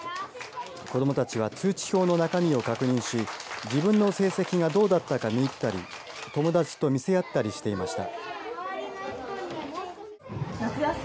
子どもたちは通知表の中身を確認し自分の成績がどうだったか見入ったり友達と見せ合ったりしていました。